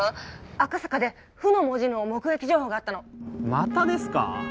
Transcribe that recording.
赤坂で「不」の文字の目撃情報があったのまたですか？